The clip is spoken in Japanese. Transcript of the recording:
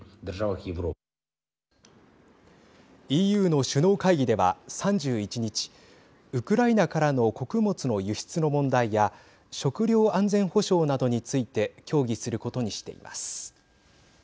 ＥＵの首脳会議では３１日ウクライナからの穀物の輸出の問題や食料安全保障などについて協議することにしています。